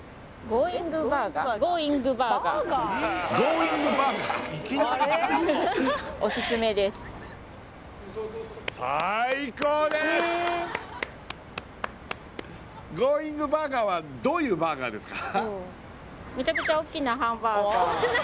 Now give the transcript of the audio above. ゴーイングバーガーはどういうバーガーですか？